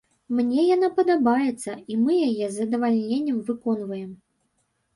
Мне яна падабаецца, і мы яе з задавальненнем выконваем.